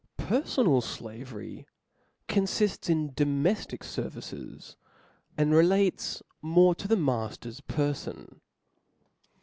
Perfonal flavery confifts in domeftic fervices, and relates more to the mafter*s perfon.